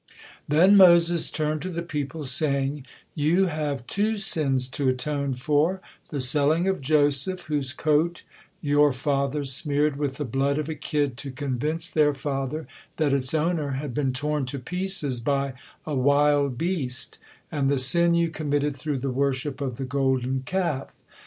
Then Moses turned to the people, saying: "You have two sins to atone for: the selling of Joseph, whose coat you fathers smeared with the blood of a kid to convince their father that its owner had been torn to pieces by a wild beast, and the sin you committed through the worship of the Golden Calf.